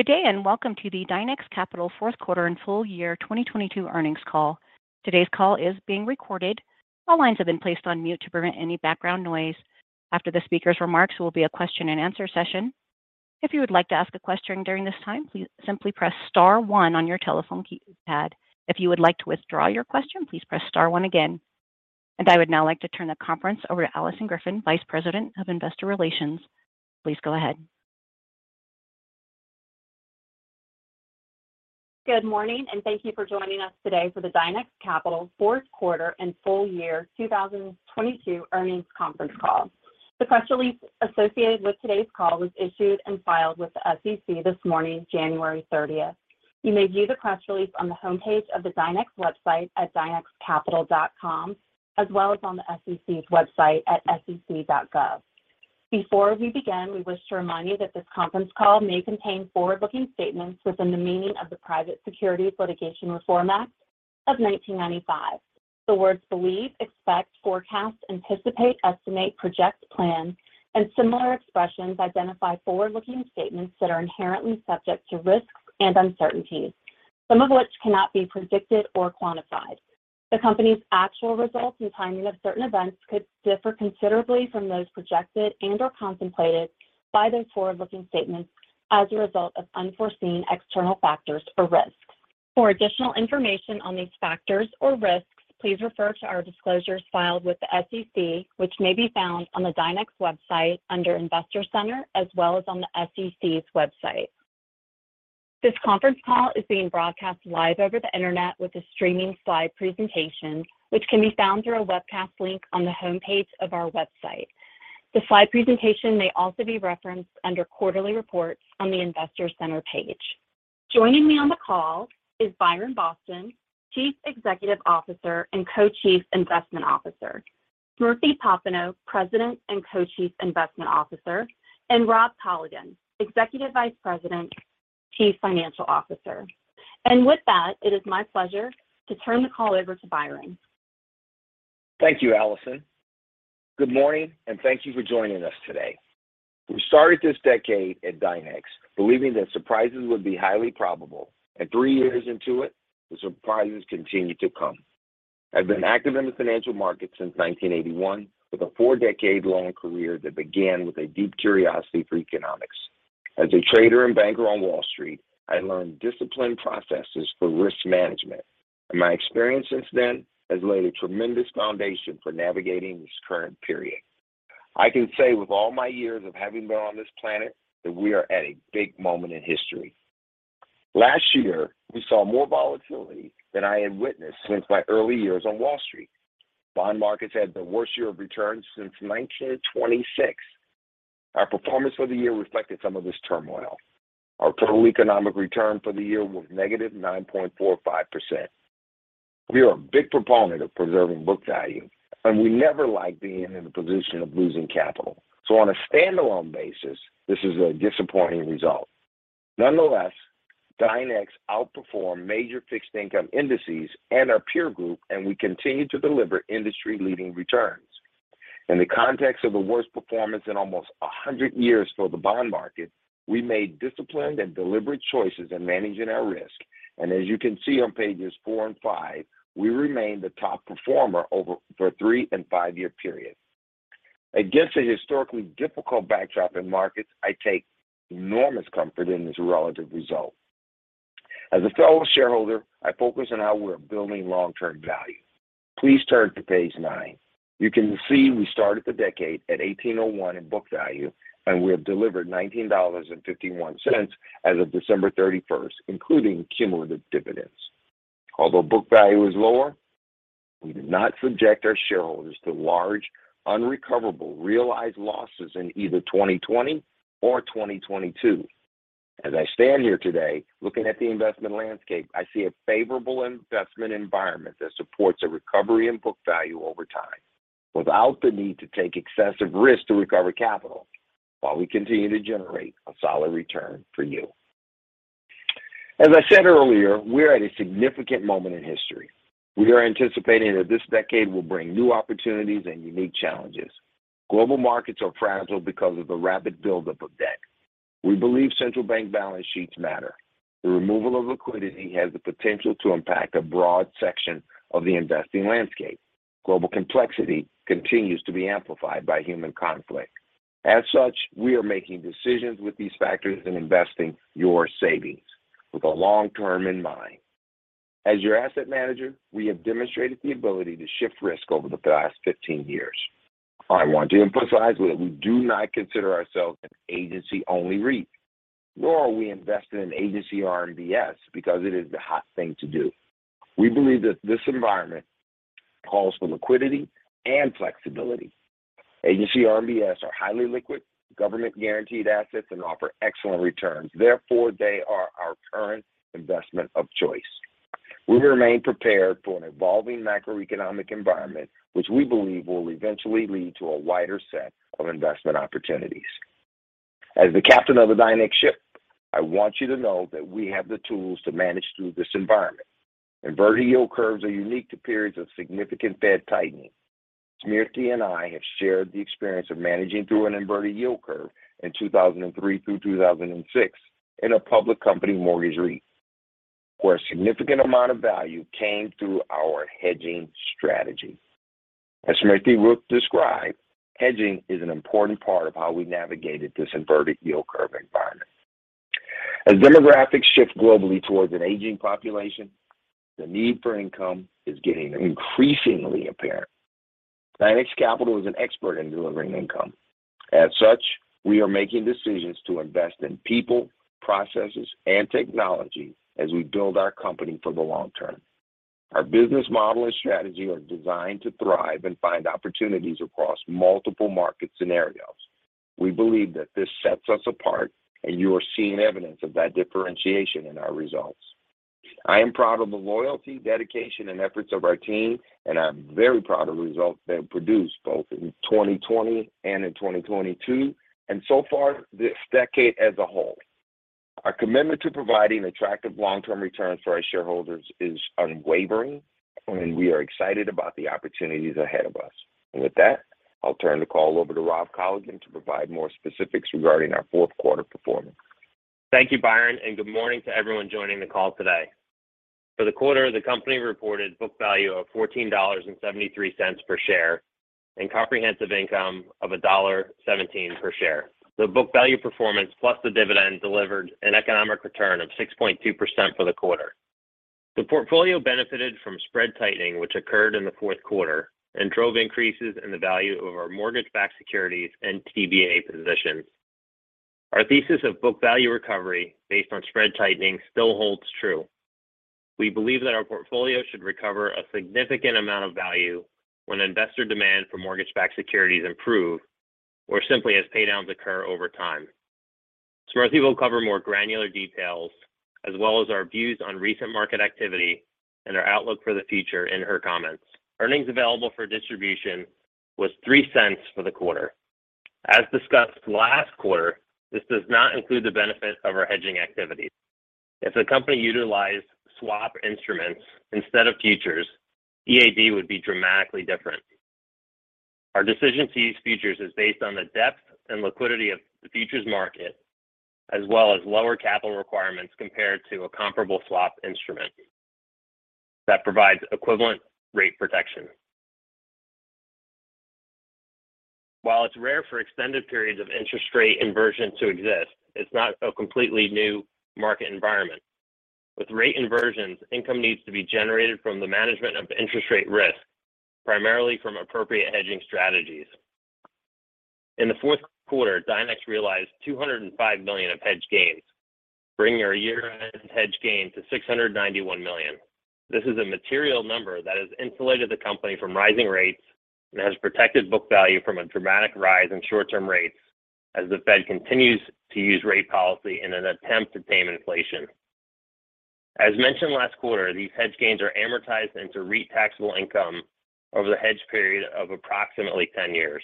Good day, and welcome to the Dynex Capital Q4 and Full Year 2022 Earnings Call. Today's call is being recorded. All lines have been placed on mute to prevent any background noise. After the speaker's remarks will be a question and answer session. If you would like to ask a question during this time, please simply press star one on your telephone keypad. If you would like to withdraw your question, please press star one again. I would now like to turn the conference over to Alison Griffin, Vice President of Investor Relations. Please go ahead. Good morning. Thank you for joining us today for the Dynex Capital Q4 and Full Year 2022 Earnings Conference Call. The press release associated with today's call was issued and filed with the SEC this morning, January 30. You may view the press release on the homepage of the Dynex website at dynexcapital.com, as well as on the SEC's website at sec.gov. Before we begin, we wish to remind you that this conference call may contain forward-looking statements within the meaning of the Private Securities Litigation Reform Act of 1995. The words believe, expect, forecast, anticipate, estimate, project, plan, and similar expressions identify forward-looking statements that are inherently subject to risks and uncertainties, some of which cannot be predicted or quantified. The company's actual results and timing of certain events could differ considerably from those projected and/or contemplated by those forward-looking statements as a result of unforeseen external factors or risks. For additional information on these factors or risks, please refer to our disclosures filed with the SEC, which may be found on the Dynex website under Investor Center, as well as on the SEC's website. This conference call is being broadcast live over the Internet with a streaming slide presentation, which can be found through a webcast link on the homepage of our website. The slide presentation may also be referenced under Quarterly Reports on the Investor Center page. Joining me on the call is Byron Boston, Chief Executive Officer and Co-Chief Investment Officer, Smriti Popenoe, President and Co-Chief Investment Officer, and Rob Colligan, Executive Vice President, Chief Financial Officer. With that, it is my pleasure to turn the call over to Byron. Thank you, Alison. Good morning, and thank you for joining us today. We started this decade at Dynex believing that surprises would be highly probable. Three years into it, the surprises continue to come. I've been active in the financial market since 1981 with a four-decade-long career that began with a deep curiosity for economics. As a trader and banker on Wall Street, I learned disciplined processes for risk management, and my experience since then has laid a tremendous foundation for navigating this current period. I can say with all my years of having been on this planet that we are at a big moment in history. Last year, we saw more volatility than I had witnessed since my early years on Wall Street. Bond markets had the worst year of returns since 1926. Our performance for the year reflected some of this turmoil. Our total economic return for the year was -9.45%. We are a big proponent of preserving book value, and we never like being in the position of losing capital. On a standalone basis, this is a disappointing result. Nonetheless, Dynex outperformed major fixed income indices and our peer group, and we continue to deliver industry-leading returns. In the context of the worst performance in almost 100 years for the bond market, we made disciplined and deliberate choices in managing our risk. As you can see on pages four and five, we remain the top performer for three and five-year periods. Against a historically difficult backdrop in markets, I take enormous comfort in this relative result. As a fellow shareholder, I focus on how we're building long-term value. Please turn to page nine. You can see we started the decade at 1801 in book value, and we have delivered $19.51 as of December 31, including cumulative dividends. Although book value is lower, we did not subject our shareholders to large, unrecoverable realized losses in either 2020 or 2022. As I stand here today, looking at the investment landscape, I see a favorable investment environment that supports a recovery in book value over time without the need to take excessive risk to recover capital while we continue to generate a solid return for you. As I said earlier, we're at a significant moment in history. We are anticipating that this decade will bring new opportunities and unique challenges. Global markets are fragile because of the rapid buildup of debt. We believe central bank balance sheets matter. The removal of liquidity has the potential to impact a broad section of the investing landscape. Global complexity continues to be amplified by human conflict. As such, we are making decisions with these factors in investing your savings with the long term in mind. As your asset manager, we have demonstrated the ability to shift risk over the past 15 years. I want to emphasize that we do not consider ourselves an agency-only REIT, nor are we invested in Agency RMBS because it is the hot thing to do. We believe that this environment calls for liquidity and flexibility. Agency RMBS are highly liquid, government-guaranteed assets and offer excellent returns. Therefore, they are our current investment of choice. We remain prepared for an evolving macroeconomic environment, which we believe will eventually lead to a wider set of investment opportunities. As the captain of the Dynex ship, I want you to know that we have the tools to manage through this environment. Inverted yield curves are unique to periods of significant Fed tightening. Smriti and I have shared the experience of managing through an inverted yield curve in 2003 through 2006 in a public company mortgage REIT, where a significant amount of value came through our hedging strategy. As Smriti will describe, hedging is an important part of how we navigated this inverted yield curve environment. As demographics shift globally towards an aging population, the need for income is getting increasingly apparent. Dynex Capital is an expert in delivering income. As such, we are making decisions to invest in people, processes, and technology as we build our company for the long term. Our business model and strategy are designed to thrive and find opportunities across multiple market scenarios. We believe that this sets us apart, and you are seeing evidence of that differentiation in our results. I am proud of the loyalty, dedication, and efforts of our team, and I'm very proud of the results they have produced both in 2020 and in 2022, and so far this decade as a whole. Our commitment to providing attractive long-term returns for our shareholders is unwavering, and we are excited about the opportunities ahead of us. With that, I'll turn the call over to Rob Colligan to provide more specifics regarding our Q4 performance. Thank you, Byron, and good morning to everyone joining the call today. For the quarter, the company reported book value of $14.73 per share and comprehensive income of $1.17 per share. The book value performance plus the dividend delivered an economic return of 6.2% for the quarter. The portfolio benefited from spread tightening which occurred in Q4 and drove increases in the value of our Mortgage-Backed Securities and TBA positions. Our thesis of book value recovery based on spread tightening still holds true. We believe that our portfolio should recover a significant amount of value when investor demand for Mortgage-Backed Securities improve or simply as pay downs occur over time. Smriti will cover more granular details as well as our views on recent market activity and our outlook for the future in her comments. Earnings available for distribution was $0.03 for the quarter. As discussed last quarter, this does not include the benefit of our hedging activities. If the company utilized swap instruments instead of futures, EAD would be dramatically different. Our decision to use futures is based on the depth and liquidity of the futures market as well as lower capital requirements compared to a comparable swap instrument that provides equivalent rate protection. While it's rare for extended periods of interest rate inversion to exist, it's not a completely new market environment. With rate inversions, income needs to be generated from the management of interest rate risk, primarily from appropriate hedging strategies. In Q4, Dynex realized $205 million of hedge gains, bringing our year-end hedge gain to $691 million. This is a material number that has insulated the company from rising rates and has protected book value from a dramatic rise in short-term rates as The Fed continues to use rate policy in an attempt to tame inflation. As mentioned last quarter, these hedge gains are amortized into REIT taxable income over the hedge period of approximately 10 years.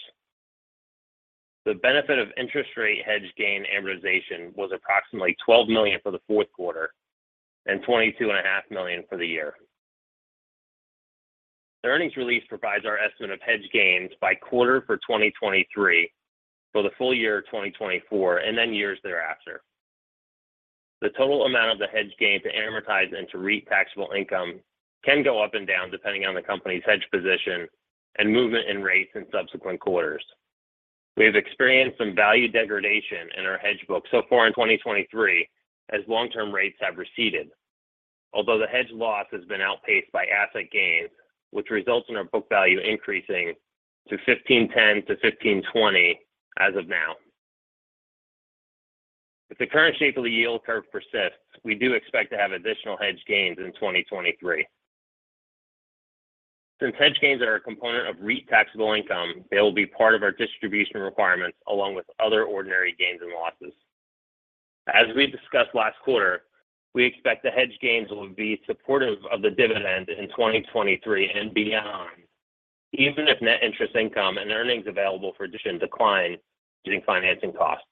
The benefit of interest rate hedge gain amortization was approximately $12 million for Q4 and $22.5 million for the year. The earnings release provides our estimate of hedge gains by quarter for 2023, for the full year 2024, years thereafter. The total amount of the hedge gain to amortize into REIT taxable income can go up and down depending on the company's hedge position and movement in rates in subsequent quarters. We have experienced some value degradation in our hedge book so far in 2023 as long-term rates have receded. The hedge loss has been outpaced by asset gains, which results in our book value increasing to $15.10-15.20 as of now. If the current shape of the yield curve persists, we do expect to have additional hedge gains in 2023. Since hedge gains are a component of REIT taxable income, they will be part of our distribution requirements along with other ordinary gains and losses. As we discussed last quarter, we expect the hedge gains will be supportive of the dividend in 2023 and beyond, even if net interest income and earnings available for decline due to financing costs.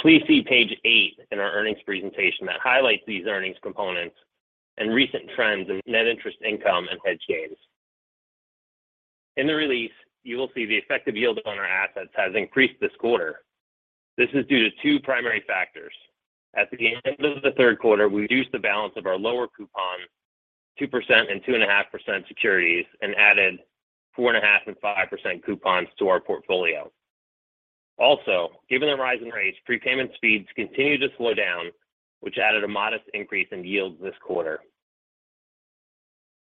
Please see page eight in our earnings presentation that highlights these earnings components and recent trends of net interest income and hedge gains. In the release, you will see the effective yield on our assets has increased this quarter. This is due to two primary factors. At the end of the Q3, we reduced the balance of our lower coupon 2% and 2.5% securities and added 4.5% and 5% coupons to our portfolio. Given the rise in rates, prepayment speeds continued to slow down, which added a modest increase in yield this quarter.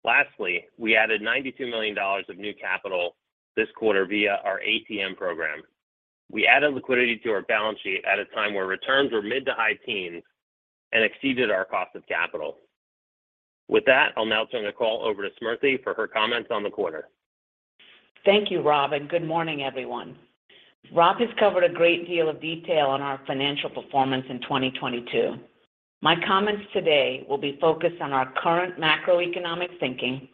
Lastly, we added $92 million of new capital this quarter via our ATM program. We added liquidity to our balance sheet at a time where returns were mid to high teens and exceeded our cost of capital. With that, I'll now turn the call over to Smriti for her comments on the quarter. Thank you, Rob, and good morning, everyone. Rob has covered a great deal of detail on our financial performance in 2022. My comments today will be focused on our current macroeconomic thinking,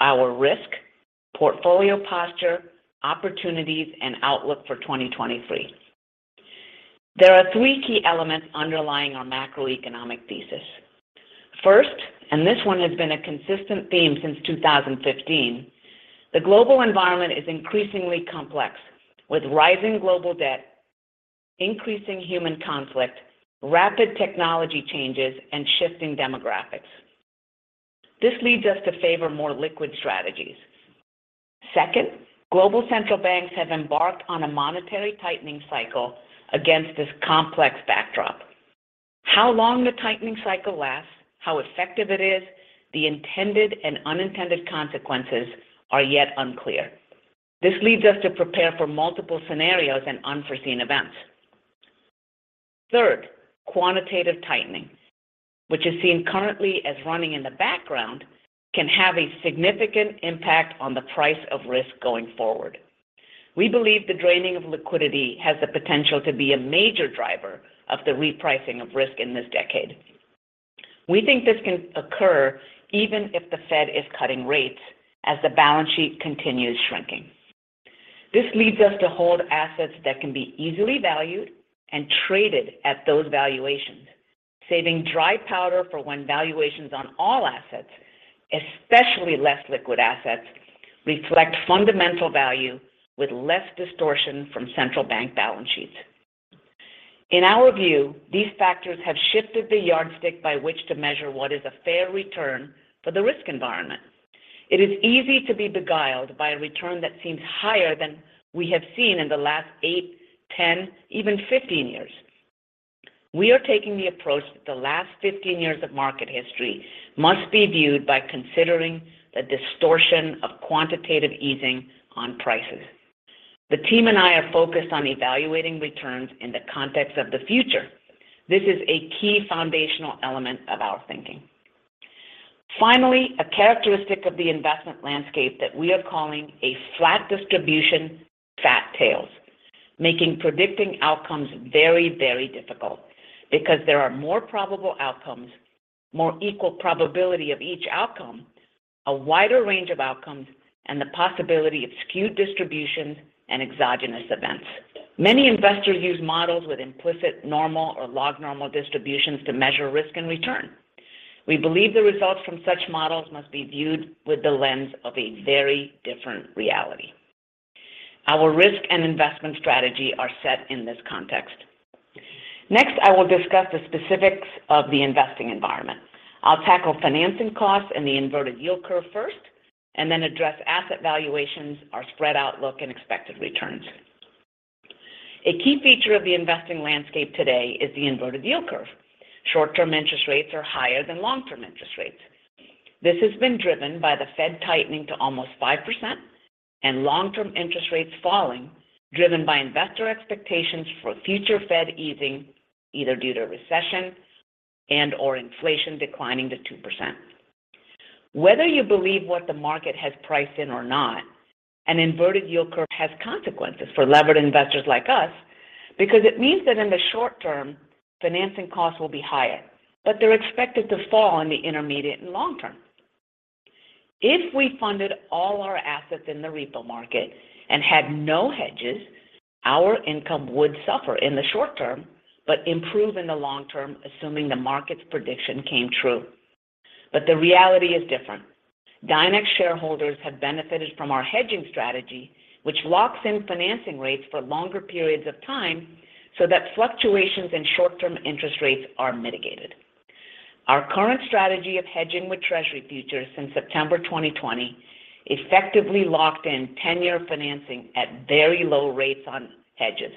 our risk, portfolio posture, opportunities, and outlook for 2023. There are three key elements underlying our macroeconomic thesis. First, and this one has been a consistent theme since 2015, the global environment is increasingly complex, with rising global debt, increasing human conflict, rapid technology changes, and shifting demographics. This leads us to favor more liquid strategies. Second, global central banks have embarked on a monetary tightening cycle against this complex backdrop. How long the tightening cycle lasts, how effective it is, the intended and unintended consequences are yet unclear. This leads us to prepare for multiple scenarios and unforeseen events. Third, quantitative tightening, which is seen currently as running in the background, can have a significant impact on the price of risk going forward. We believe the draining of liquidity has the potential to be a major driver of the repricing of risk in this decade. We think this can occur even if the Fed is cutting rates as the balance sheet continues shrinking. This leads us to hold assets that can be easily valued and traded at those valuations, saving dry powder for when valuations on all assets, especially less liquid assets, reflect fundamental value with less distortion from central bank balance sheets. In our view, these factors have shifted the yardstick by which to measure what is a fair return for the risk environment. It is easy to be beguiled by a return that seems higher than we have seen in the last eight, 10, even 15 years. We are taking the approach that the last 15 years of market history must be viewed by considering the distortion of quantitative easing on prices. The team and I are focused on evaluating returns in the context of the future. This is a key foundational element of our thinking. Finally, a characteristic of the investment landscape that we are calling a flat distribution, fat tails, making predicting outcomes very, very difficult because there are more probable outcomes, more equal probability of each outcome, a wider range of outcomes, and the possibility of skewed distributions and exogenous events. Many investors use models with implicit normal or log normal distributions to measure risk and return. We believe the results from such models must be viewed with the lens of a very different reality. Our risk and investment strategy are set in this context. Next, I will discuss the specifics of the investing environment. I'll tackle financing costs and the inverted yield curve first, and then address asset valuations, our spread outlook and expected returns. A key future of the investing landscape today is the inverted yield curve. Short-term interest rates are higher than long-term interest rates. This has been driven by The Fed tightening to almost 5% and long-term interest rates falling, driven by investor expectations for future The Fed easing either due to recession and/or inflation declining to 2%. Whether you believe what the market has priced in or not, an inverted yield curve has consequences for levered investors like us because it means that in the short term, financing costs will be higher, but they're expected to fall in the intermediate and long term. If we funded all our assets in the repo market and had no hedges, our income would suffer in the short term but improve in the long term, assuming the market's prediction came true. The reality is different. Dynex shareholders have benefited from our hedging strategy, which locks in financing rates for longer periods of time so that fluctuations in short-term interest rates are mitigated. Our current strategy of hedging with Treasury futures since September 2020 effectively locked in 10-year financing at very low rates on hedges,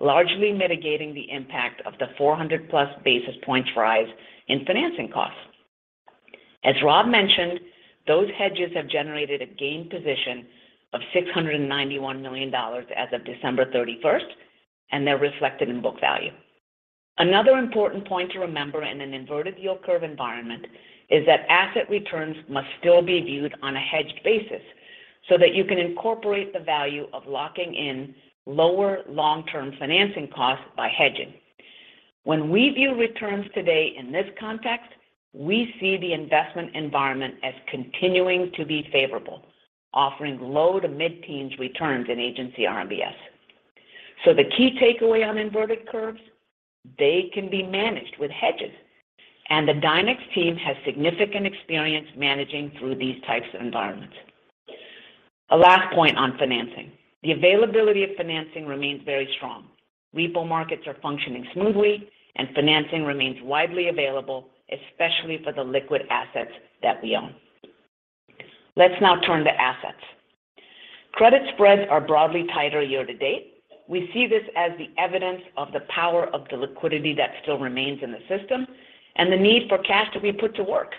largely mitigating the impact of the 400+ basis points rise in financing costs. As Rob mentioned, those hedges have generated a gain position of $691 million as of December 31, and they're reflected in book value. Another important point to remember in an inverted yield curve environment is that asset returns must still be viewed on a hedged basis so that you can incorporate the value of locking in lower long-term financing costs by hedging. When we view returns today in this context, we see the investment environment as continuing to be favorable, offering low to mid-teens returns in Agency RMBS. The key takeaway on inverted curves, they can be managed with hedges, and the Dynex team has significant experience managing through these types of environments. A last point on financing. The availability of financing remains very strong. Repo markets are functioning smoothly and financing remains widely available, especially for the liquid assets that we own. Let's now turn to assets. Credit spreads are broadly tighter year-to-date. We see this as the evidence of the power of the liquidity that still remains in the system and the need for cash to be put to work.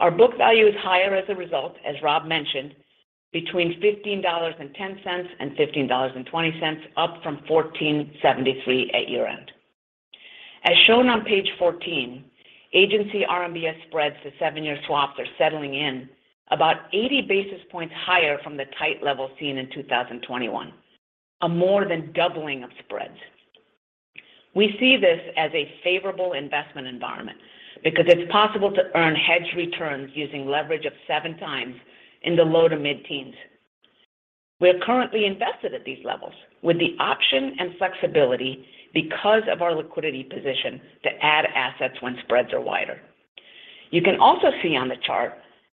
Our book value is higher as a result, as Rob mentioned, between $15.10 and 15.20, up from $14.73 at year-end. Shown on page 14, Agency RMBS spreads to seven-year swaps are settling in about 80 basis points higher from the tight level seen in 2021, a more than doubling of spreads. We see this as a favorable investment environment because it's possible to earn hedge returns using leverage of 7x in the low to mid-teens. We are currently invested at these levels with the option and flexibility because of our liquidity position to add assets when spreads are wider. You can also see on the chart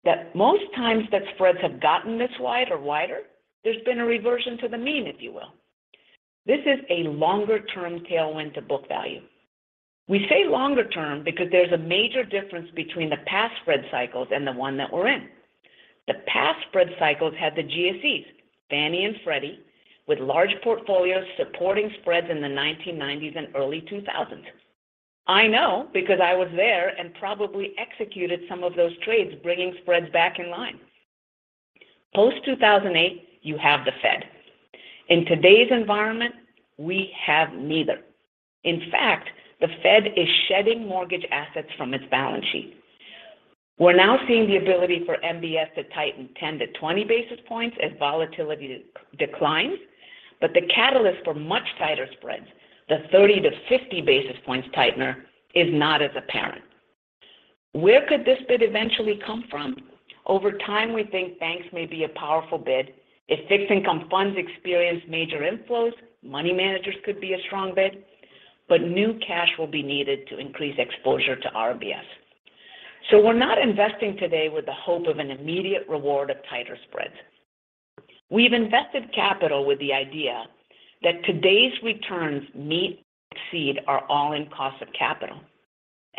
that most times that spreads have gotten this wide or wider, there's been a reversion to the mean, if you will. This is a longer-term tailwind to book value. We say longer term because there's a major difference between the past spread cycles and the one that we're in. The past spread cycles had the GSEs, Fannie and Freddie, with large portfolios supporting spreads in the 1990s and early 2000s. I know because I was there and probably executed some of those trades, bringing spreads back in line. Post-2008, you have the Fed. In today's environment, we have neither. The Fed is shedding mortgage assets from its balance sheet. We're now seeing the ability for MBS to tighten 10 to 20 basis points as volatility declines. The catalyst for much tighter spreads, the 30 to 50 basis points tightener, is not as apparent. Where could this bid eventually come from? Over time, we think banks may be a powerful bid. If fixed income funds experience major inflows, money managers could be a strong bid, but new cash will be needed to increase exposure to RMBS. We're not investing today with the hope of an immediate reward of tighter spreads. We've invested capital with the idea that today's returns meet, exceed our all-in cost of capital.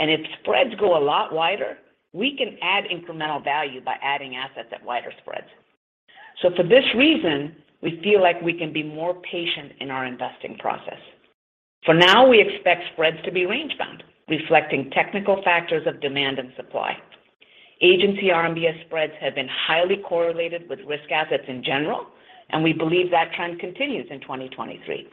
If spreads go a lot wider, we can add incremental value by adding assets at wider spreads. For this reason, we feel like we can be more patient in our investing process. For now, we expect spreads to be range-bound, reflecting technical factors of demand and supply. Agency RMBS spreads have been highly correlated with risk assets in general, and we believe that trend continues in 2023.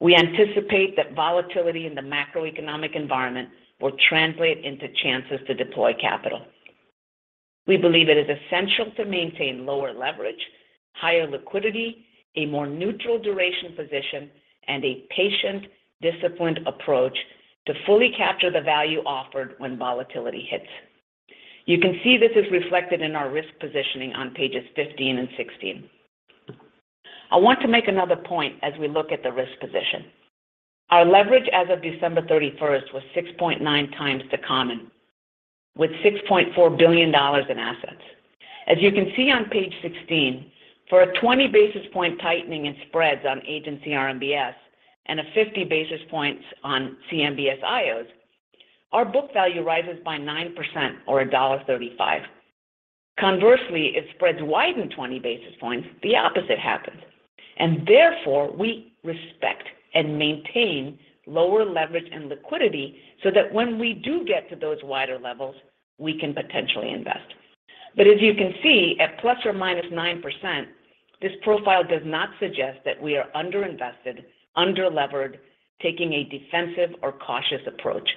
We anticipate that volatility in the macroeconomic environment will translate into chances to deploy capital. We believe it is essential to maintain lower leverage, higher liquidity, a more neutral duration position, and a patient, disciplined approach to fully capture the value offered when volatility hits. You can see this is reflected in our risk positioning on pages 15 and 16. I want to make another point as we look at the risk position. Our leverage as of December 31 was 6.9x the common, with $6.4 billion in assets. As you can see on page 16, for a 20 basis point tightening in spreads on Agency RMBS and a 50 basis points on CMBS IOs, our book value rises by 9% or $1.35. Conversely, if spreads widen 20 basis points, the opposite happens, and therefore we respect and maintain lower leverage and liquidity so that when we do get to those wider levels, we can potentially invest. As you can see, at ±9%, this profile does not suggest that we are underinvested, underlevered, taking a defensive or cautious approach.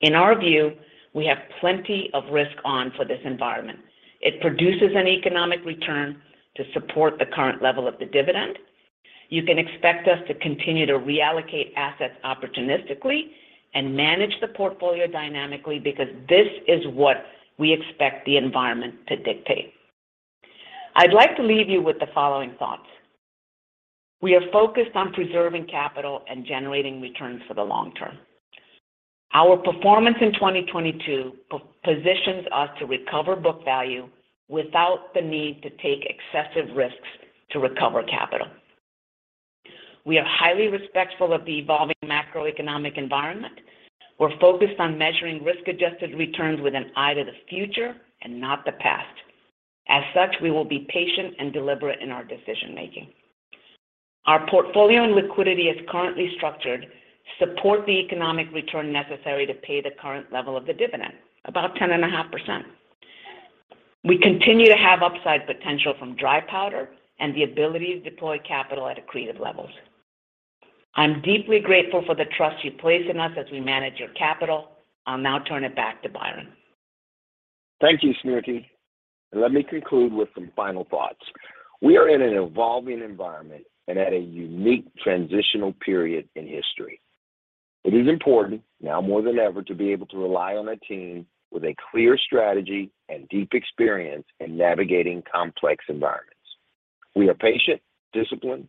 In our view, we have plenty of risk on for this environment. It produces an economic return to support the current level of the dividend. You can expect us to continue to reallocate assets opportunistically and manage the portfolio dynamically because this is what we expect the environment to dictate. I'd like to leave you with the following thoughts. We are focused on preserving capital and generating returns for the long term. Our performance in 2022 positions us to recover book value without the need to take excessive risks to recover capital. We are highly respectful of the evolving macroeconomic environment. We're focused on measuring risk-adjusted returns with an eye to the future and not the past. As such, we will be patient and deliberate in our decision-making. Our portfolio and liquidity as currently structured support the economic return necessary to pay the current level of the dividend, about 10.5%. We continue to have upside potential from dry powder and the ability to deploy capital at accretive levels. I'm deeply grateful for the trust you place in us as we manage your capital. I'll now turn it back to Byron. Thank you, Smriti. Let me conclude with some final thoughts. We are in an evolving environment and at a unique transitional period in history. It is important, now more than ever, to be able to rely on a team with a clear strategy and deep experience in navigating complex environments. We are patient, disciplined,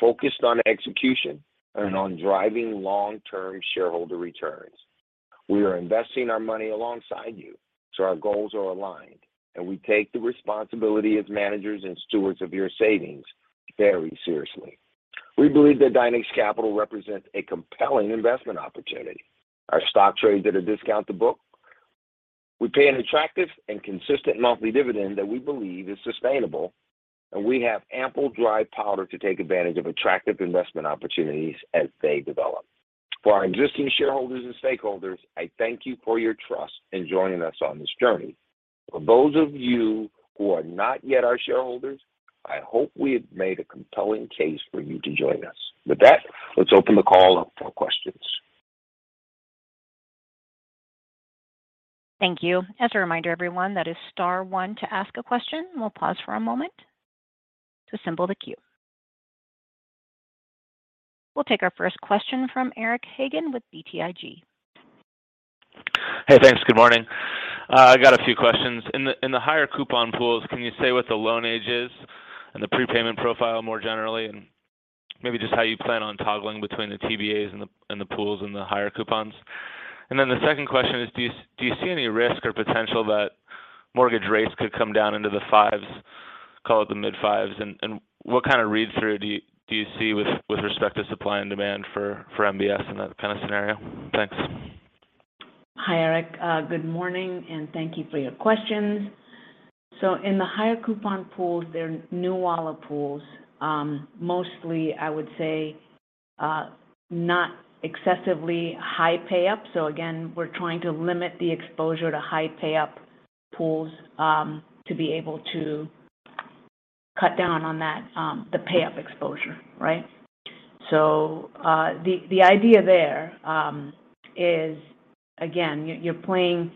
focused on execution and on driving long-term shareholder returns. We are investing our money alongside you, so our goals are aligned, and we take the responsibility as managers and stewards of your savings very seriously. We believe that Dynex Capital represents a compelling investment opportunity. Our stock trades at a discount to book. We pay an attractive and consistent monthly dividend that we believe is sustainable, and we have ample dry powder to take advantage of attractive investment opportunities as they develop. For our existing shareholders and stakeholders, I thank you for your trust in joining us on this journey. For those of you who are not yet our shareholders, I hope we have made a compelling case for you to join us. With that, let's open the call up for questions. Thank you. As a reminder, everyone, that is star one to ask a question. We'll pause for a moment to assemble the queue. We'll take our first question from Eric Hagen with BTIG. Hey, thanks. Good morning. I got a few questions. In the higher coupon pools, can you say what the loan age is and the prepayment profile more generally, and maybe just how you plan on toggling between the TBAs and the pools and the higher coupons? The second question is, do you see any risk or potential that mortgage rates could come down into the fives, call it the mid-fives, and what kind of read-through do you see with respect to supply and demand for MBS in that kind of scenario? Thanks. Hi, Eric. Good morning, thank you for your questions. In the higher coupon pools, they're new issue pools. Mostly, I would say, not excessively high pay-up. Again, we're trying to limit the exposure to high pay-up pools, to be able to cut down on that, the pay-up exposure, right? The idea there is again, you're playing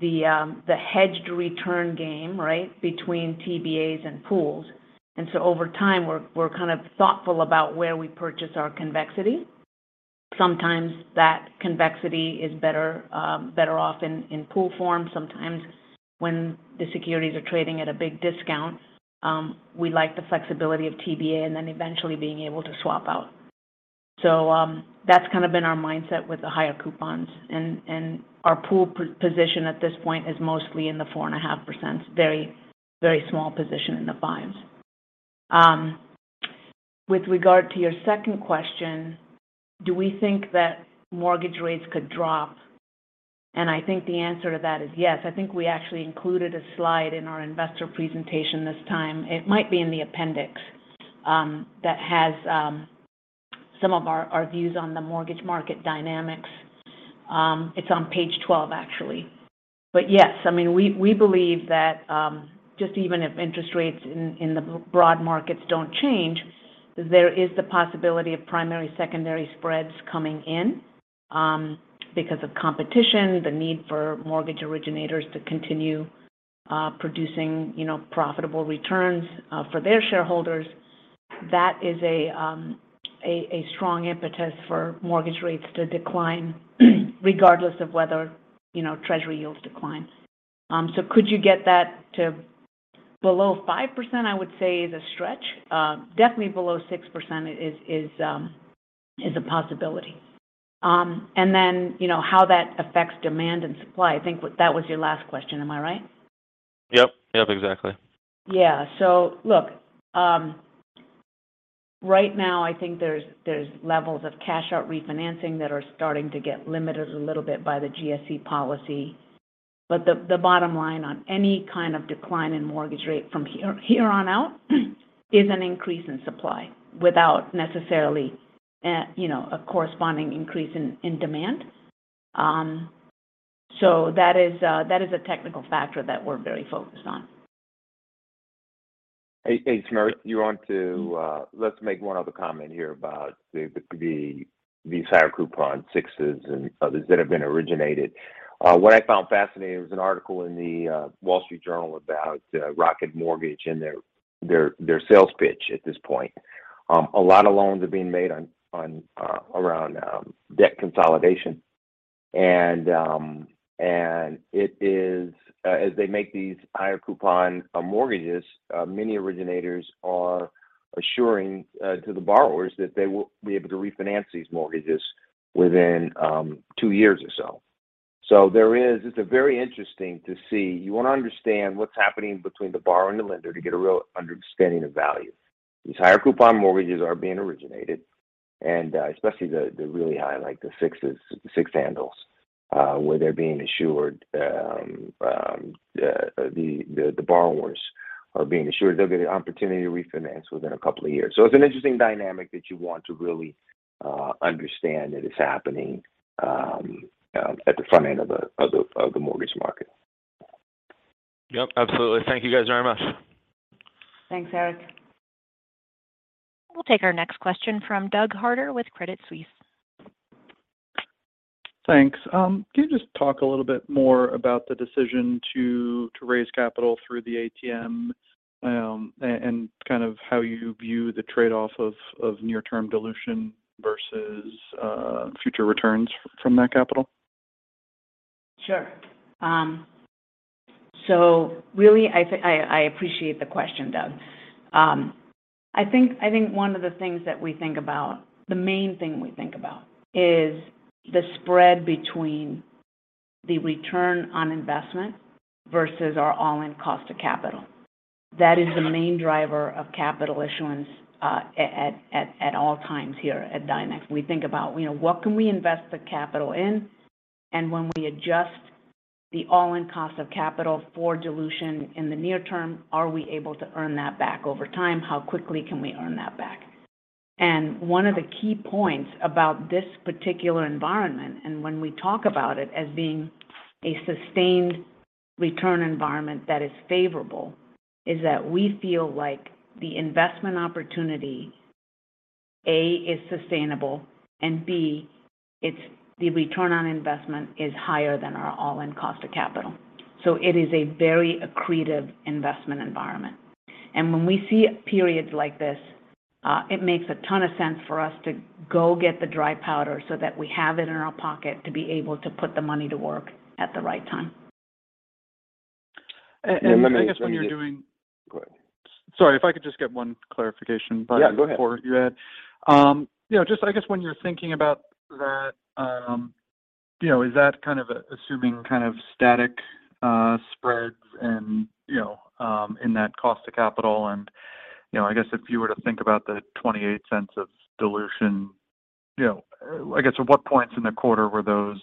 the hedged return game, right? Between TBAs and pools. Over time, we're kind of thoughtful about where we purchase our convexity. Sometimes that convexity is better off in pool form. Sometimes when the securities are trading at a big discount, we like the flexibility of TBA and then eventually being able to swap out. That's kind of been our mindset with the higher coupons and our pool position at this point is mostly in the 4.5%. Very, very small position in the fives. With regard to your second question, do we think that mortgage rates could drop? I think the answer to that is yes. I think we actually included a slide in our investor presentation this time. It might be in the appendix, that has some of our views on the mortgage market dynamics. It's on page 12, actually. Yes, I mean, we believe that, just even if interest rates in the broad markets don't change, there is the possibility of primary, secondary spreads coming in, because of competition, the need for mortgage originators to continue producing, you know, profitable returns, for their shareholders. That is a strong impetus for mortgage rates to decline regardless of whether, you know, Treasury yields decline. Could you get that to below 5%, I would say is a stretch. Definitely below 6% is a possibility. You know, how that affects demand and supply. I think that was your last question. Am I right? Yep. Yep, exactly. Right now I think there's levels of cash out refinancing that are starting to get limited a little bit by the GSE policy. The bottom line on any kind of decline in mortgage rate from here on out is an increase in supply without necessarily, you know, a corresponding increase in demand. That is a technical factor that we're very focused on. Hey, hey, Smriti. You want to, let's make one other comment here about the higher coupon sixes and others that have been originated. What I found fascinating was an article in The Wall Street Journal about Rocket Mortgage and their sales pitch at this point. A lot of loans are being made on around debt consolidation. It is as they make these higher coupon mortgages, many originators are assuring to the borrowers that they will be able to refinance these mortgages within two years or so. It's very interesting to see. You wanna understand what's happening between the borrower and the lender to get a real understanding of value. These higher coupon mortgages are being originated. Especially the really high, like the 6s, six handles, where they're being assured, the borrowers are being assured they'll get an opportunity to refinance within a couple of years. It's an interesting dynamic that you want to really understand that is happening at the front end of the mortgage market. Yep, absolutely. Thank you guys very much. Thanks, Eric. We'll take our next question from Douglas Harter with Credit Suisse. Thanks. Can you just talk a little bit more about the decision to raise capital through the ATM, and kind of how you view the trade-off of near-term dilution versus future returns from that capital? Sure. really, I appreciate the question, Doug. I think one of the things that we think about, the main thing we think about is the spread between the return on investment versus our all-in cost of capital. That is the main driver of capital issuance at all times here at Dynex. We think about, you know, what can we invest the capital in? When we adjust the all-in cost of capital for dilution in the near term, are we able to earn that back over time? How quickly can we earn that back? One of the key points about this particular environment, and when we talk about it as being a sustained return environment that is favorable, is that we feel like the investment opportunity: A, is sustainable, and B, it's the return on investment is higher than our all-in cost of capital. So it is a very accretive investment environment. When we see periods like this, it makes a ton of sense for us to go get the dry powder so that we have it in our pocket to be able to put the money to work at the right time. I guess when you're... Yeah, go ahead. Sorry, if I could just get one clarification item. Yeah, go ahead... before you add. you know, just I guess when you're thinking about that, you know, is that kind of assuming kind of static spreads and, you know, in that cost to capital and, you know, I guess if you were to think about the $0.28 of dilution, you know, I guess at what points in the quarter were those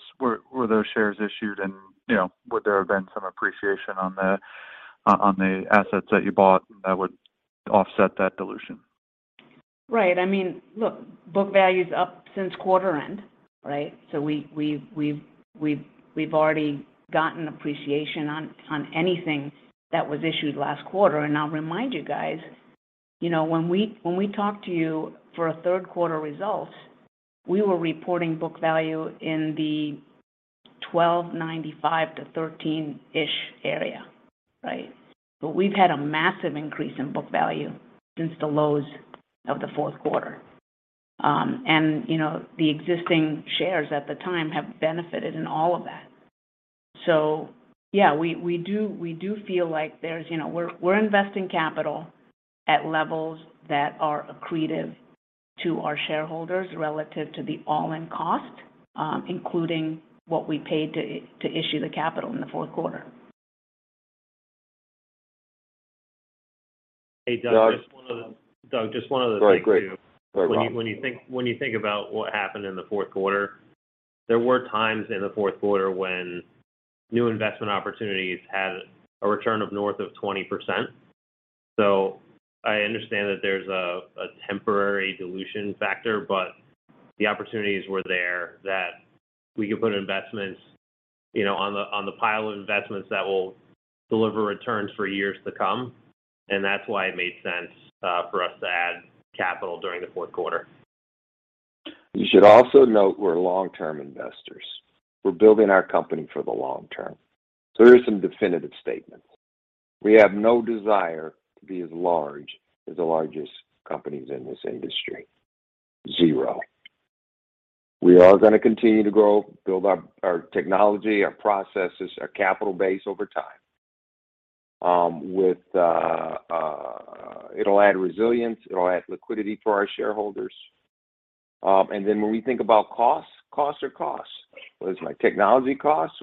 shares issued and, you know, would there have been some appreciation on the, on the assets that you bought that would offset that dilution? Right. I mean, look, book value's up since quarter end, right? We've already gotten appreciation on anything that was issued last quarter. I'll remind you guys, you know, when we talk to you for Q3 results, we were reporting book value in the $12.95 to 13%-ish area, right? We've had a massive increase in book value since the lows of Q4. You know, the existing shares at the time have benefited in all of that. Yeah, we do feel like there's, you know, we're investing capital at levels that are accretive to our shareholders relative to the all-in cost, including what we paid to issue the capital in the Q4. Hey, Doug, just one. Doug. Doug, just one other thing too. Go ahead. When you think about what happened inQ4, there were times in Q4 when new investment opportunities had a return of north of 20%. I understand that there's a temporary dilution factor, but the opportunities were there that we could put investments, you know, on the pile of investments that will deliver returns for years to come. That's why it made sense for us to add capital during the Q4. You should also note we're long-term investors. We're building our company for the long term. Here are some definitive statements. We have no desire to be as large as the largest companies in this industry. Zero. We are gonna continue to grow, build up our technology, our processes, our capital base over time, it'll add resilience, it'll add liquidity for our shareholders. When we think about costs are costs. Whether it's my technology costs,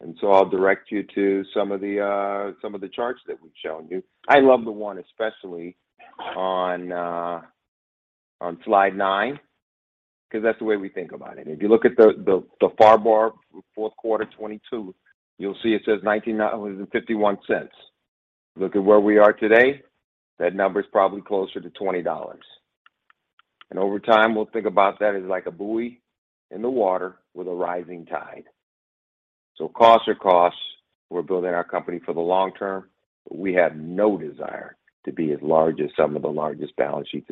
whether it's the issuance costs, can we generate a return above our costs? I'll direct you to some of the, some of the charts that we've shown you. I love the one especially on slide nine, because that's the way we think about it. If you look at the far bar, Q4 2022, you'll see it says $19.51. Look at where we are today, that number is probably closer to $20. Over time, we'll think about that as like a buoy in the water with a rising tide. Costs are costs. We're building our company for the long term. We have no desire to be as large as some of the largest balance sheets.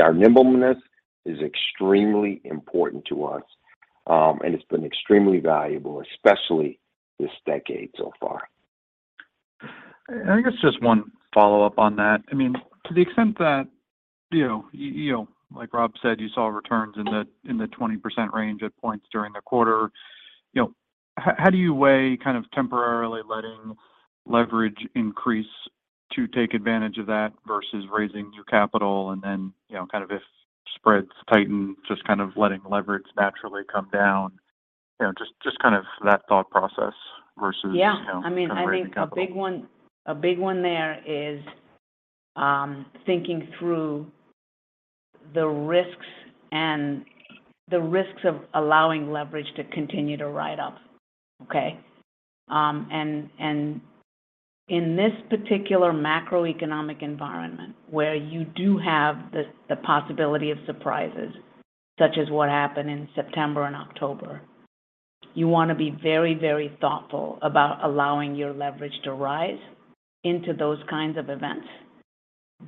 Our nimbleness is extremely important to us, and it's been extremely valuable, especially this decade so far. I guess just one follow-up on that. I mean, to the extent that, you know, like Rob said, you saw returns in the 20% range at points during the quarter. You know, how do you weigh kind of temporarily letting leverage increase to take advantage of that versus raising new capital and then, you know, kind of if spreads tighten, just kind of letting leverage naturally come down? You know, just kind of that thought process versus... Yeah. You know, kind of raising capital. I mean, I think a big one, a big one there is, thinking through the risks and the risks of allowing leverage to continue to ride up. Okay? In this particular macroeconomic environment where you do have the possibility of surprises, such as what happened in September and October, you wanna be very, very thoughtful about allowing your leverage to rise into those kinds of events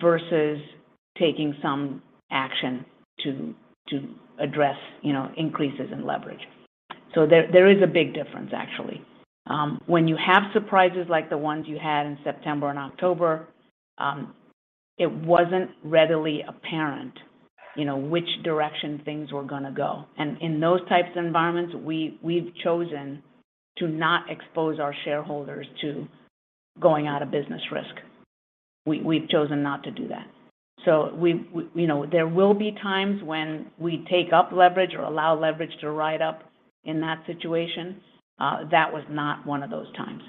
versus taking some action to address, you know, increases in leverage. There is a big difference, actually. When you have surprises like the ones you had in September and October, it wasn't readily apparent, you know, which direction things were gonna go. In those types of environments, we've chosen to not expose our shareholders to going out of business risk. We've chosen not to do that. We, you know, there will be times when we take up leverage or allow leverage to ride up in that situation. That was not one of those times.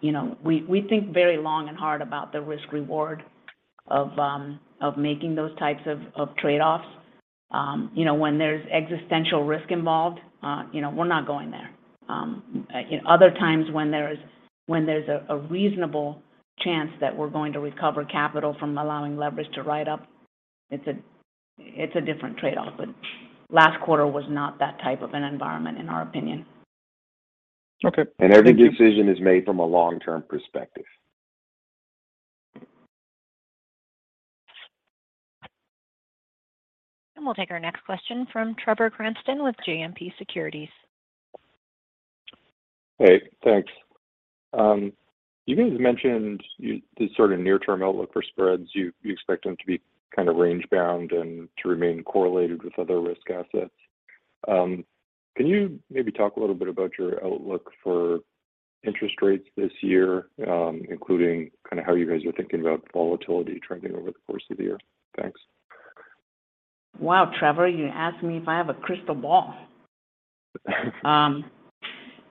You know, we think very long and hard about the risk-reward of making those types of trade-offs. You know, when there's existential risk involved, you know, we're not going there. Other times when there's a reasonable chance that we're going to recover capital from allowing leverage to ride up, it's a different trade-off. Last quarter was not that type of an environment in our opinion. Okay. Thank you. Every decision is made from a long-term perspective. We'll take our next question from Trevor Cranston with JMP Securities. Hey, thanks. You guys mentioned the sort of near-term outlook for spreads. You expect them to be kind of range bound and to remain correlated with other risk assets. Can you maybe talk a little bit about your outlook for interest rates this year, including kind of how you guys are thinking about volatility trending over the course of the year? Thanks. Wow, Trevor, you asked me if I have a crystal ball.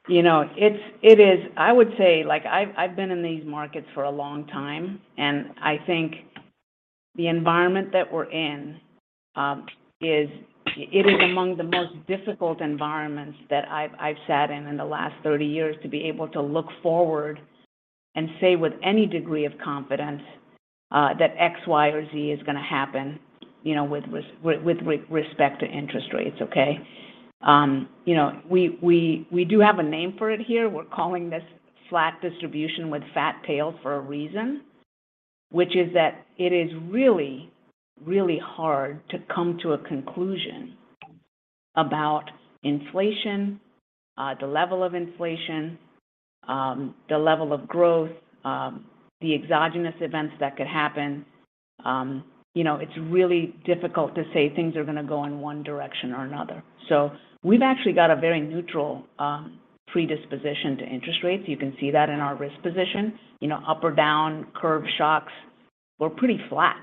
You know, it is I would say, like, I've been in these markets for a long time, and I think the environment that we're in, is, it is among the most difficult environments that I've sat in in the last 30 years to be able to look forward and say with any degree of confidence, that X, Y, or Z is gonna happen, you know, with respect to interest rates, okay? you know, we do have a name for it here. We're calling this flat distribution, fat tails for a reason, which is that it is really hard to come to a conclusion about inflation, the level of inflation, the level of growth, the exogenous events that could happen. you know, it's really difficult to say things are gonna go in one direction or another. We've actually got a very neutral predisposition to interest rates. You can see that in our risk position. You know, up or down, curve shocks, we're pretty flat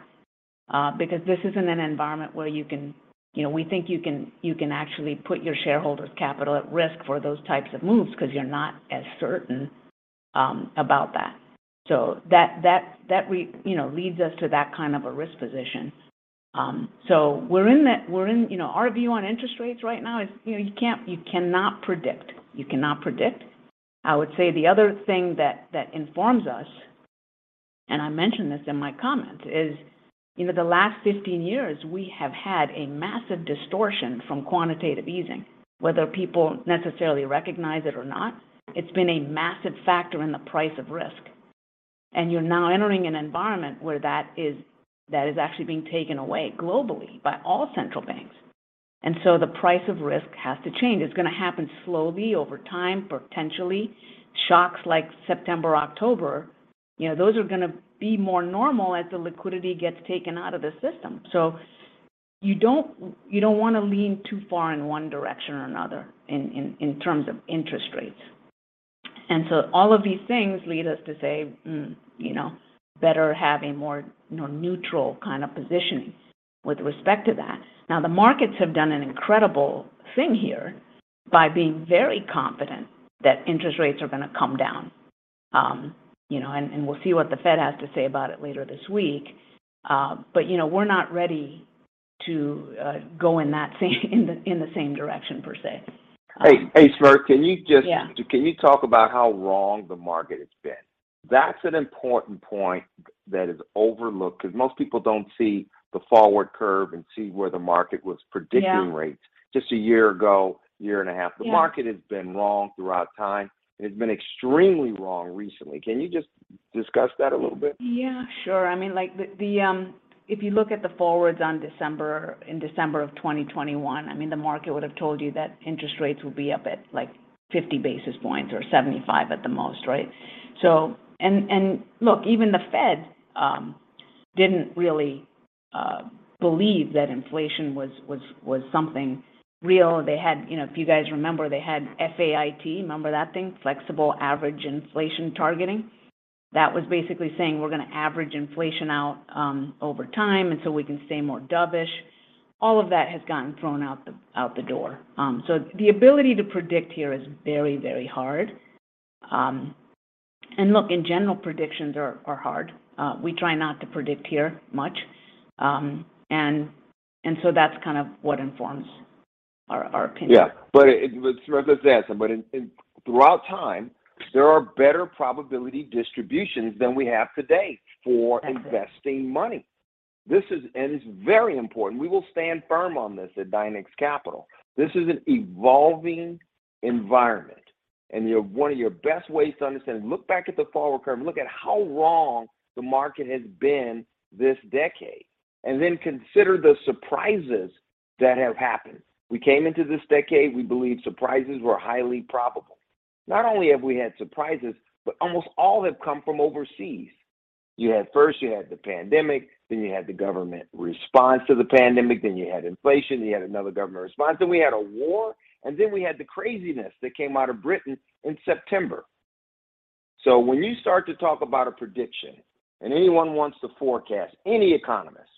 because this isn't an environment where you can... You know, we think you can, you can actually put your shareholders' capital at risk for those types of moves because you're not as certain about that. That we-- you know, leads us to that kind of a risk position. We're in that-- We're in... You know, our view on interest rates right now is, you know, you can't-- you cannot predict. You cannot predict. I would say the other thing that informs us, and I mentioned this in my comment, is, you know, the last 15 years, we have had a massive distortion from quantitative easing. Whether people necessarily recognize it or not, it's been a massive factor in the price of risk. You're now entering an environment where that is actually being taken away globally by all central banks. The price of risk has to change. It's gonna happen slowly over time, potentially. Shocks like September, October, you know, those are gonna be more normal as the liquidity gets taken out of the system. You don't wanna lean too far in one direction or another in terms of interest rates. All of these things lead us to say, "Mm, you know, better have a more, you know, neutral kind of positioning with respect to that." Now, the markets have done an incredible thing here by being very confident that interest rates are gonna come down. You know, and we'll see what the Fed has to say about it later this week. But, you know, we're not ready to go in the same direction, per se. Hey, hey, Smriti. Can you just- Yeah. Can you talk about how wrong the market has been? That's an important point that is overlooked because most people don't see the forward curve and see where the market was predicting rates. Yeah. -just a year ago, year and a half. Yeah. The market has been wrong throughout time, and it's been extremely wrong recently. Can you just discuss that a little bit? Yeah, sure. I mean, like, the, If you look at the forwards on December, in December of 2021, I mean, the market would have told you that interest rates would be up at, like, 50 basis points or 75 at the most, right? And look, even The Fed didn't really believe that inflation was something real. They had, you know, if you guys remember, they had FAIT. Remember that thing? Flexible Average Inflation Targeting. That was basically saying, We're gonna average inflation out over time, we can stay more dovish. All of that has gotten thrown out the door. The ability to predict here is very hard. Look, in general, predictions are hard. We try not to predict here much. That's kind of what informs our opinion. Yeah. Smriti, I was gonna ask then. In throughout time, there are better probability distributions than we have today for- That's right. Investing money. It's very important. We will stand firm on this at Dynex Capital. This is an evolving environment, and one of your best ways to understand, look back at the forward curve, look at how wrong the market has been this decade, and then consider the surprises that have happened. We came into this decade, we believed surprises were highly probable. Not only have we had surprises, but almost all have come from overseas. First you had the pandemic, then you had the government response to the pandemic, then you had inflation, you had another government response, then we had a war, and then we had the craziness that came out of Britain in September. When you start to talk about a prediction and anyone wants to forecast, any economist,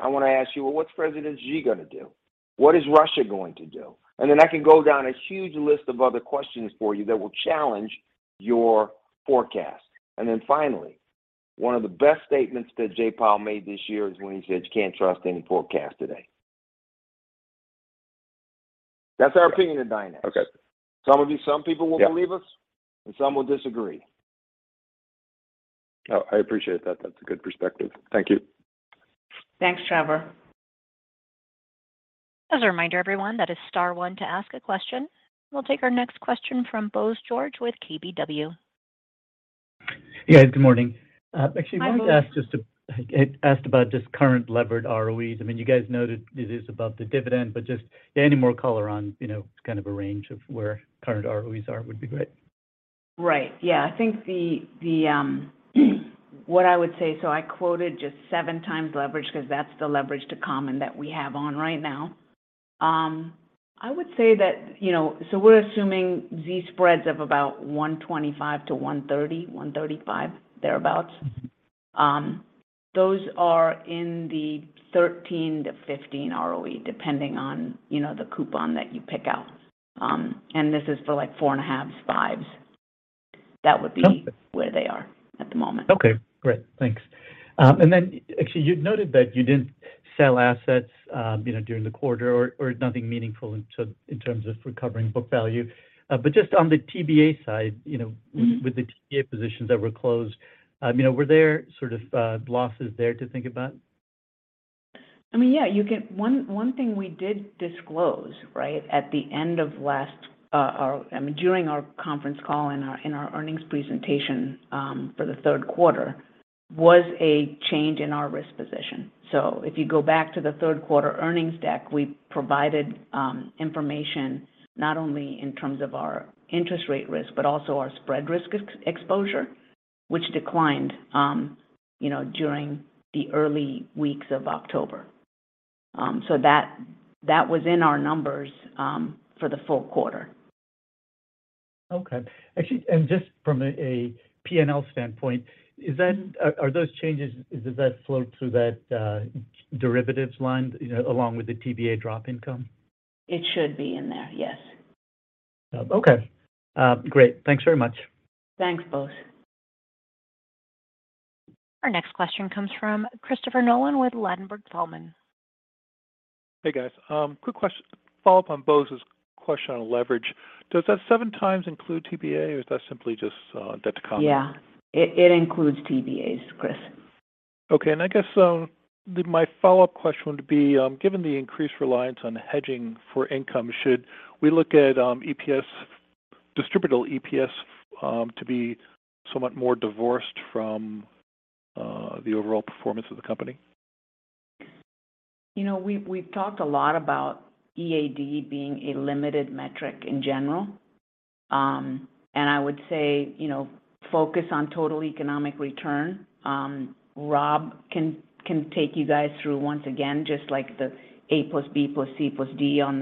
I wanna ask you, well, what's President Xi gonna do? What is Russia going to do? I can go down a huge list of other questions for you that will challenge your forecast. Finally, one of the best statements that Jay Powell made this year is when he said you can't trust any forecast today. That's our opinion at Dynex. Okay. Some of you, some people will believe us. Yeah. Some will disagree. Oh, I appreciate that. That's a good perspective. Thank you. Thanks, Trevor. As a reminder, everyone, that is star one to ask a question. We'll take our next question from Bose George with KBW. Yeah, good morning. Hi, Bose I wanted to ask just ask about current levered ROEs? I mean, you guys noted it is above the dividend, but just any more color on, you know, kind of a range of where current ROEs are would be great. Right. Yeah. I think the, what I would say, I quoted just seven times leverage 'cause that's the leverage to common that we have on right now. I would say that, you know, we're assuming these spreads of about 125 to 130, 135, thereabout. Those are in the 13-15 ROE, depending on, you know, the coupon that you pick out. This is for like 4.5, fives. That would be. Okay... where they are at the moment. Okay. Great. Thanks. Actually you noted that you didn't sell assets, you know, during the quarter or nothing meaningful in terms of recovering book value. Just on the TBA side, you know, with the TBA positions that were closed, you know, were there sort of losses there to think about? I mean, yeah. One thing we did disclose, right, at the end of last, or I mean, during our conference call in our earnings presentation, for Q3, was a change in our risk position. If you go back to the Q3 earnings deck, we provided information not only in terms of our interest rate risk, but also our spread risk ex-exposure, which declined, you know, during the early weeks of October. That was in our numbers for the full quarter. Okay. Actually, just from a P&L standpoint, are those changes, does that flow through that derivatives line, you know, along with the TBA drop income? It should be in there, yes. Okay. great. Thanks very much. Thanks, Bose. Our next question comes from Christopher Nolan with Ladenburg Thalmann. Hey, guys. quick follow-up on Bose's question on leverage. Does that 7x include TBA, or is that simply just debt to common? Yeah. It includes TBAs, Chris. Okay. I guess my follow-up question would be, given the increased reliance on hedging for income, should we look at EPS, distributable EPS, to be somewhat more divorced from the overall performance of the company? You know, we've talked a lot about EAD being a limited metric in general. I would say, you know, focus on total economic return. Rob can take you guys through once again just like the A + B + C + D on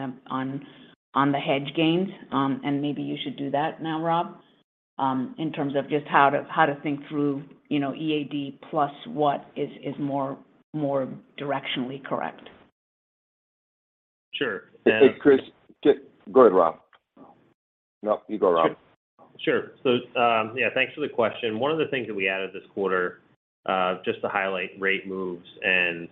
the hedge gains. Maybe you should do that now, Rob, in terms of just how to think through, you know, EAD plus what is more directionally correct. Sure. Hey, Chris. Go ahead, Rob. Nope, you go, Rob. Sure. Sure. Yeah, thanks for the question. One of the things that we added this quarter, just to highlight rate moves and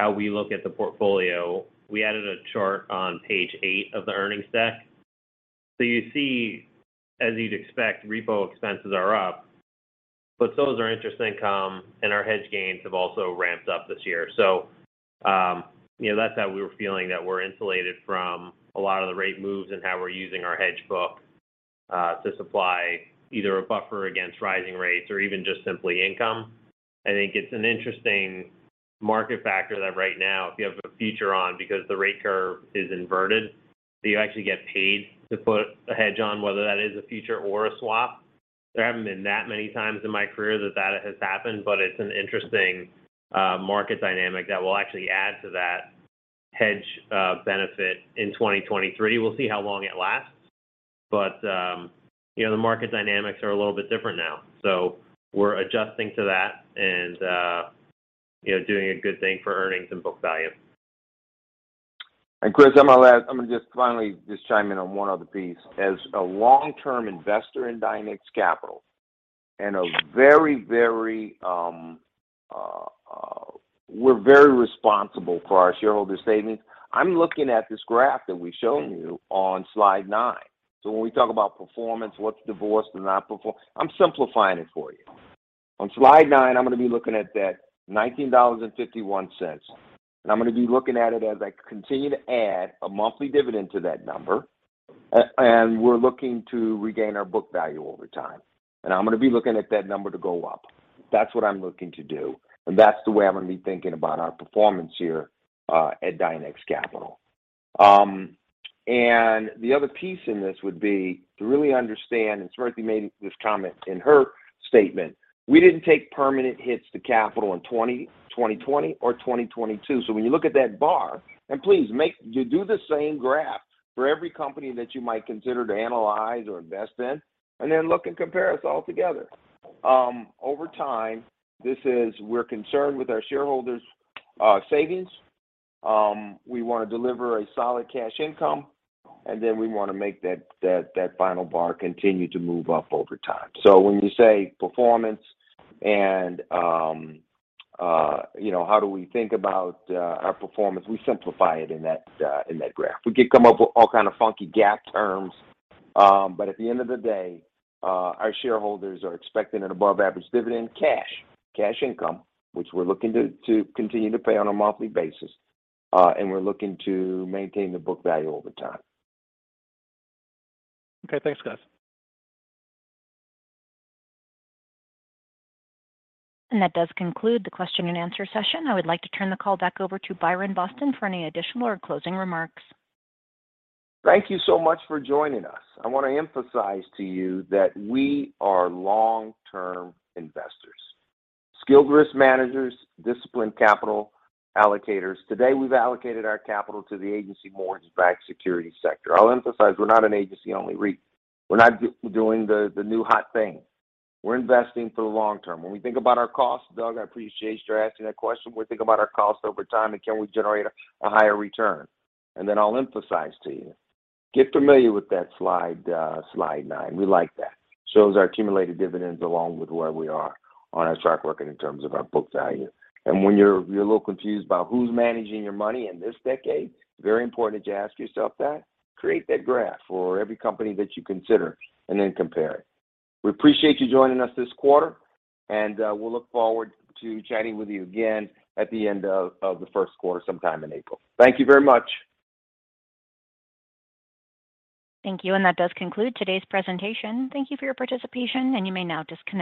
how we look at the portfolio, we added a chart on page eight of the earnings deck. You see, as you'd expect, repo expenses are up, but those are interest income, and our hedge gains have also ramped up this year. You know, that's how we were feeling that we're insulated from a lot of the rate moves and how we're using our hedge book to supply either a buffer against rising rates or even just simply income. I think it's an interesting market factor that right now if you have a feature on because the rate curve is inverted, so you actually get paid to put a hedge on whether that is a feature or a swap. There haven't been that many times in my career that that has happened, but it's an interesting market dynamic that will actually add to that hedge benefit in 2023. We'll see how long it lasts. You know, the market dynamics are a little bit different now. We're adjusting to that and, you know, doing a good thing for earnings and book value. Chris, I'm gonna just finally just chime in on one other piece. As a long-term investor in Dynex Capital, we're very responsible for our shareholder statements. I'm looking at this graph that we've shown you on slide nine. When we talk about performance, what's divorced and not performed, I'm simplifying it for you. On slide nine, I'm gonna be looking at that $19.51, and I'm gonna be looking at it as I continue to add a monthly dividend to that number, and we're looking to regain our book value over time, and I'm gonna be looking at that number to go up. That's what I'm looking to do, and that's the way I'm gonna be thinking about our performance here at Dynex Capital. The other piece in this would be to really understand, and Smriti made this comment in her statement, we didn't take permanent hits to capital in 2020 or 2022. When you look at that bar, and please, do the same graph for every company that you might consider to analyze or invest in, and then look and compare us all together. Over time, this is we're concerned with our shareholders' savings. We wanna deliver a solid cash income, and then we wanna make that final bar continue to move up over time. When you say performance and, you know, how do we think about our performance, we simplify it in that, in that graph. We could come up with all kind of funky GAAP terms. At the end of the day, our shareholders are expecting an above average dividend cash income, which we're looking to continue to pay on a monthly basis. We're looking to maintain the book value over time. Okay. Thanks, guys. That does conclude the question and answer session. I would like to turn the call back over to Byron Boston for any additional or closing remarks. Thank you so much for joining us. I wanna emphasize to you that we are long-term investors, skilled risk managers, disciplined capital allocators. Today, we've allocated our capital to the Agency Mortgage-Backed Securities sector. I'll emphasize we're not an agency-only REIT. We're not doing the new hot thing. We're investing for the long term. When we think about our costs, Doug, I appreciate you asking that question. We think about our costs over time and can we generate a higher return. I'll emphasize to you, get familiar with that slide nine. We like that. Shows our accumulated dividends along with where we are on our track record in terms of our book value. When you're a little confused about who's managing your money in this decade, very important that you ask yourself that. Create that graph for every company that you consider and then compare it. We appreciate you joining us this quarter. We'll look forward to chatting with you again at the end of the first quarter sometime in April. Thank you very much. Thank you, and that does conclude today's presentation. Thank you for your participation, and you may now disconnect.